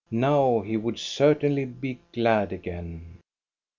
Now he would certainly be glad again.